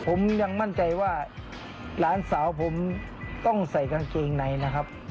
ผมยังมั่นใจว่าหลานสาวผมต้องใส่กางเกงในนะครับ